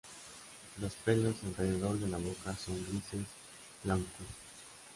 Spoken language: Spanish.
Los pelos alrededor de la boca son grises a blancuzcos.